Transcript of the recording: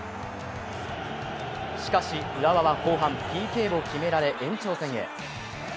しかし、浦和は後半ＰＫを決められ延長戦へ。